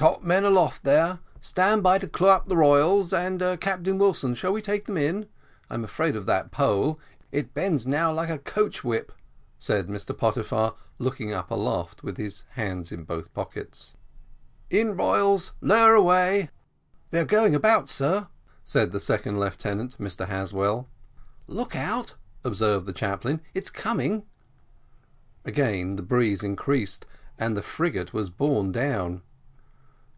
"Top men aloft there; stand by to clew up the royals and, Captain Wilson, shall we take them in? I'm afraid of that pole it bends now like a coach whip," said Mr Pottyfar, looking up aloft, with his hands in both pockets. "In royals lower away." "They are going about, sir," said the second lieutenant, Mr Haswell. "Look out," observed the chaplain, "it's coming." Again the breeze increased, and the frigate was borne down.